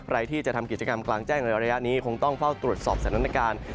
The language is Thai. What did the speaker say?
ใครที่จะทำกิจกรรมกลางแจ้งในระยะนี้คงต้องเฝ้าตรวจสอบสถานการณ์